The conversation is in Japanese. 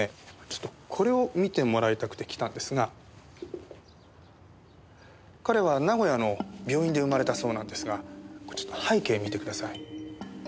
ちょっとこれを見てもらいたくて来たんですが。彼は名古屋の病院で生まれたそうなんですがちょっと背景見てください。